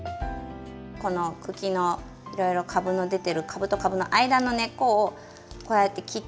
この茎のいろいろ株の出てる株と株の間の根っこをこうやって切ってく。